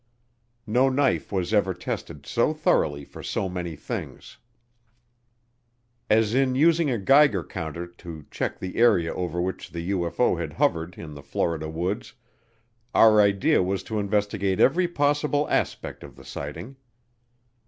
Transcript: No knife was ever tested so thoroughly for so many things. As in using a Geiger counter to check the area over which the UFO had hovered in the Florida woods, our idea was to investigate every possible aspect of the sighting.